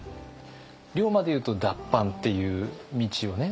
龍馬でいうと脱藩っていう道をね